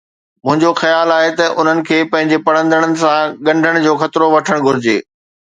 منهنجو خيال آهي ته انهن کي پنهنجي پڙهندڙن سان ڳنڍڻ جو خطرو وٺڻ گهرجي.